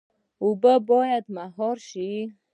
اوبه باید مهار شي